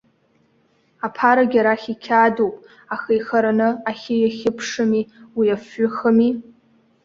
Аԥарагьы арахь иқьаадуп, аха ихараны ахьы иахьыԥшыми, уи афҩы ахыми.